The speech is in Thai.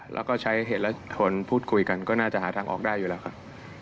แล้วก็ใช้เหตุและทนพูดคุยกันก็น่าจะหาทางออกได้อยู่แล้วครับ